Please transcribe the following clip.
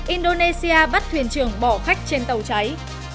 indonesia bắt thuyền trưởng bỏ khách trên tàu cháy